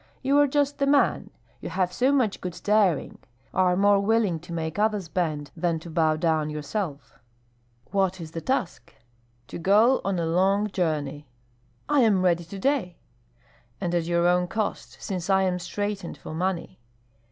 You are just the man; you have so much good daring, are more willing to make others bend than to bow down yourself." "What is the task?" "To go on a long journey." "I am ready to day!" "And at your own cost, since I am straitened for money.